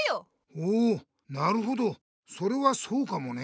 ほうなるほどそれはそうかもね。